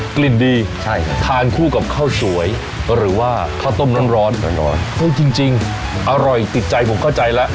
กลิ่นดีใช่ทานคู่กับข้าวสวยหรือว่าข้าวต้มร้อนเอาจริงอร่อยติดใจผมเข้าใจแล้ว